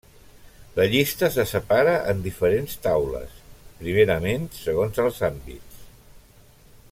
La llista se separa en diferents taules, primerament segons els àmbits.